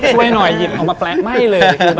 ช่วยหน่อยหยิบออกมาแปลงไหม้เลย